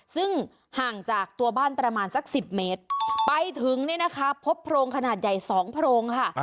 ซึ่งห่างจากตัวบ้านประมาณสัก๑๐เมตรไปถึงเนี่ยนะคะพบโพรงขนาดใหญ่๒โพรงค่ะ